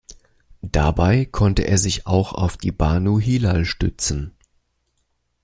Dabei konnte er sich auch auf die Banu Hilal stützen.